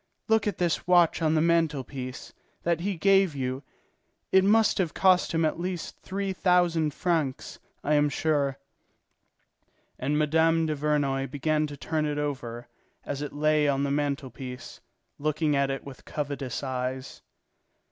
Look at this watch on the mantel piece, that he gave you: it must have cost him at least three thousand francs, I am sure." And Mme. Duvernoy began to turn it over, as it lay on the mantel piece, looking at it with covetous eyes.